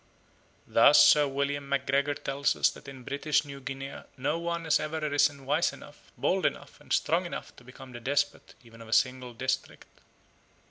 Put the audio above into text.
Thus Sir William MacGregor tells us that in British New Guinea no one has ever arisen wise enough, bold enough, and strong enough to become the despot even of a single district.